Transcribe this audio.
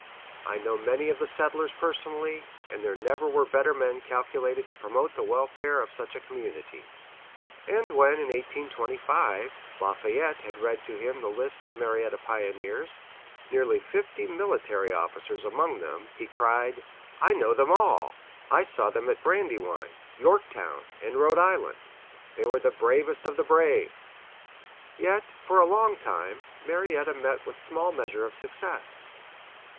I know many of the settlers personally, and there never were men better calculated to promote the welfare of such a community." And when, in 1825, La Fayette had read to him the list of Marietta pioneers, nearly fifty military officers among them, he cried: "I know them all! I saw them at Brandywine, Yorktown, and Rhode Island. They were the bravest of the brave!" Yet, for a long time, Marietta met with small measure of success.